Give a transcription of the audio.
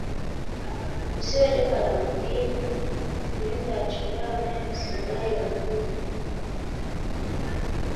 Usiwe joka wa ndimu kulinda wachundao nawe simlai wa ndimu